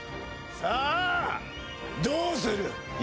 さあ、どうする家康！